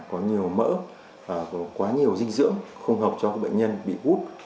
có nhiều mỡ có quá nhiều dinh dưỡng không hợp cho bệnh nhân bị út